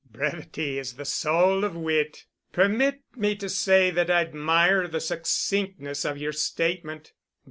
"Brevity is the soul of wit. Permit me to say that I admire the succinctness of yer statement.